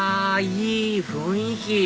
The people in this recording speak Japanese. いい雰囲気